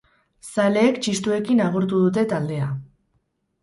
Zaleek txistuekin agurtu dute taldea.